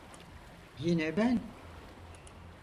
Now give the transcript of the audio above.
Yine ben.